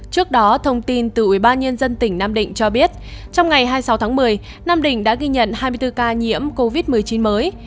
trước đó thông tin từ ủy ban nhân dân tỉnh nam định cho biết trong ngày hai mươi sáu tháng một mươi nam định đã ghi nhận hai mươi bốn ca nhiễm covid một mươi chín mới